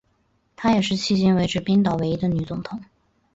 她也是迄今为止冰岛唯一的女总统。